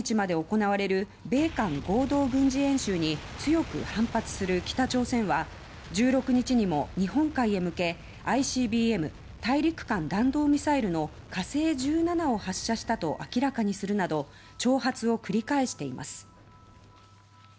２３日まで行われる米韓合同軍事演習に強く反発する北朝鮮は１６日にも日本海へ向けＩＣＢＭ・大陸間弾道ミサイルの火星１７を発射したと明らかにするなど挑発を繰り返しています。